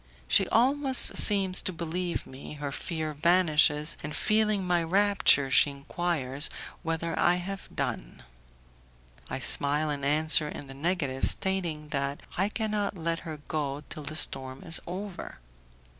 She almost seems to believe me, her fear vanishes, and feeling my rapture, she enquires whether I have done. I smile and answer in the negative, stating that I cannot let her go till the storm is over.